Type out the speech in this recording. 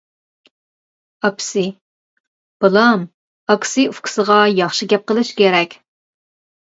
ئاپىسى:-بالام ئاكىسى ئۇكىسىغا ياخشى گەپ قىلىشى كېرەك.